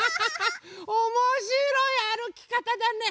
おもしろいあるきかただね。